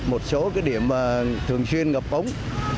một số điểm thường xuyên ngập ống